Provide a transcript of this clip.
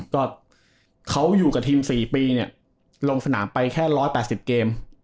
ก็เขาอยู่กับทีม๔ปีเนี่ยลงสนามไปแค่๑๘๐เกม